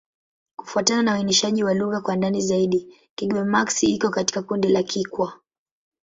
Kufuatana na uainishaji wa lugha kwa ndani zaidi, Kigbe-Maxi iko katika kundi la Kikwa.